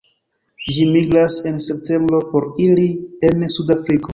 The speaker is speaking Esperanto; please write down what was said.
Ĝi migras en septembro por iri en Sudafriko.